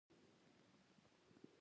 غلام حیدر حمیدي د کندهار ښاروال وټاکل سو